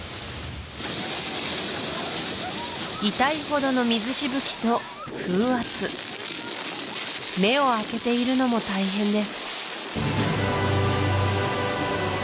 痛いほどの水しぶきと風圧目を開けているのも大変です